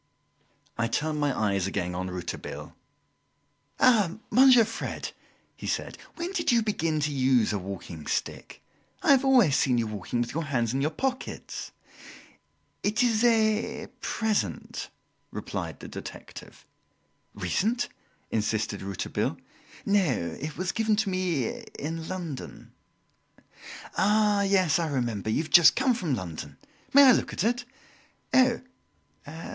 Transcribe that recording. I turned my eyes again on Rouletabille. "Ah, Monsieur Fred!" he said, "when did you begin to use a walking stick? I have always seen you walking with your hands in your pockets!" "It is a present," replied the detective. "Recent?" insisted Rouletabille. "No, it was given to me in London." "Ah, yes, I remember you have just come from London. May I look at it?" "Oh!